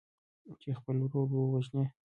چې خپل ورور ووژني.